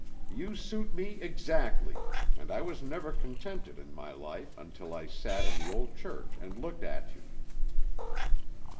You suit me exactly, and I was never contented in my life until I sat in the old church and looked at you."